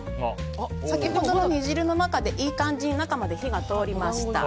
先ほどの煮汁の中でいい感じに火が通りました。